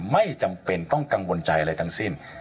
ไม่จำเป็นต้องกังวลใจอะไรทั้งสิ้น